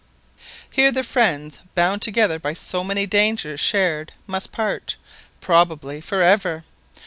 Here the friends, bound together by so many dangers shared, must part, probably for ever!